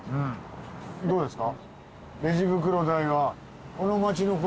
どうですか？